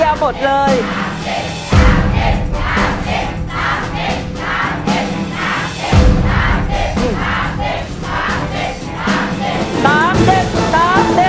ขอบคุณค่ะ